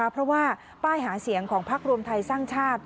เพราะว่าป้ายหาเสียงของพักรวมไทยสร้างชาติ